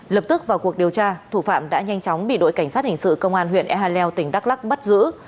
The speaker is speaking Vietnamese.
lập tức vào cuộc điều tra thủ phạm đã nhanh chóng bị đội cảnh sát hình sự công an huyện ea leo tỉnh đắk lắc bắt giữ